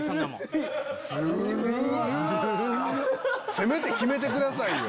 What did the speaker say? せめて決めてくださいよ。